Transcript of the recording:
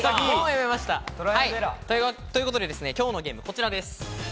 ということで、今日のゲームはこちらです。